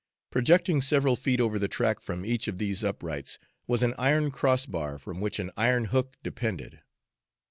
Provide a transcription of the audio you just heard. Projecting several feet over the track from each of these uprights was an iron crossbar, from which an iron hook depended.